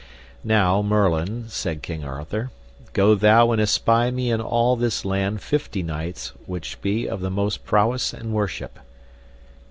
Now, Merlin, said King Arthur, go thou and espy me in all this land fifty knights which be of most prowess and worship.